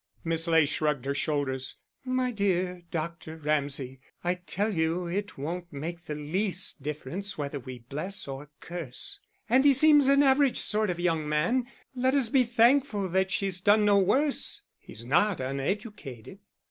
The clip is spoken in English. Miss Ley shrugged her shoulders. "My dear Dr. Ramsay, I tell you it won't make the least difference whether we bless or curse. And he seems an average sort of young man let us be thankful that she's done no worse. He's not uneducated."